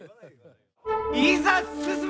いざ進め！